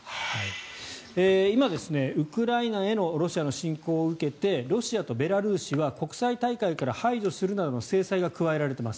今、ウクライナへのロシアの侵攻を受けてロシアとベラルーシは国際大会から排除するなどの制裁が加えられています。